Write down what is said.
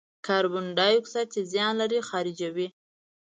کاربن دای اکساید چې زیان لري، خارجوي.